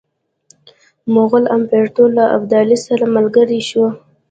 مغول امپراطور له ابدالي سره ملګری شو.